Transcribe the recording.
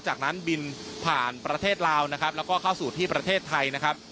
จากนั้นบินผ่านประเทศลาวนะครับแล้วก็เข้าสู่ที่ประเทศไทยนะครับ